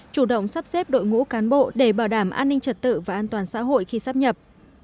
chủ động sắp xếp đội ngũ cán bộ để bảo đảm an ninh trật tự và an toàn xã hội khi sắp nhập